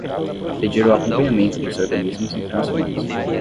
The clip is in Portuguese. A pedir o acompanhamento dos organismos internacionais